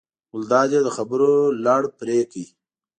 ګلداد یې د خبرو لړ پرې کړ.